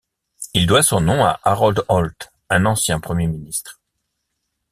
Il doit son nom à Harold Holt, un ancien Premier ministre.